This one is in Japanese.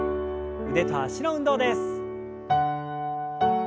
腕と脚の運動です。